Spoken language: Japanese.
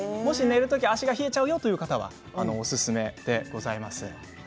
寝る時に足が冷えちゃうという方はおすすめでございます。